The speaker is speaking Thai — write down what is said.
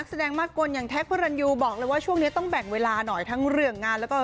คุณพ่อลูกหนึ่งแล้วนะคะ